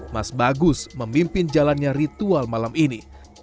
mas bagus memimpin jalannya ritual malam ini